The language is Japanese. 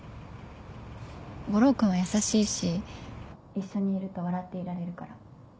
悟郎君は優しいし一緒にいると笑っていられるから。